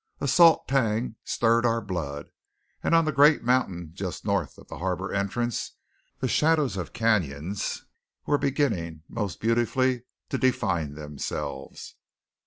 A salt tang stirred our blood; and on the great mountain just north of the harbour entrance the shadows of cañons were beginning most beautifully to define themselves.